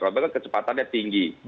kalau baiknya kecepatannya tinggi